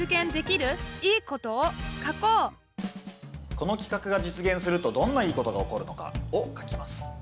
この企画が実現するとどんないいことが起こるのかを書きます。